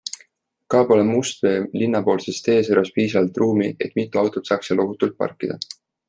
Ka pole Mustvee linnapoolses teeservas piisavalt ruumi, et mitu autot saaks seal ohutult parkida.